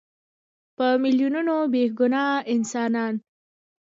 په میلیونونو بېګناه انسانان.